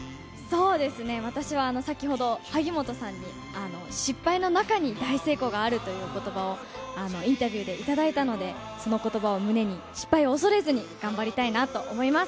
そうですね、私は、先ほど、萩本さんに失敗の中に大成功があるというおことばをインタビューで頂いたので、そのことばを胸に、失敗を恐れずに頑張りたいなと思います。